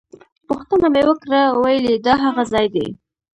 پوښتنه مې وکړه ویل یې دا هغه ځای دی.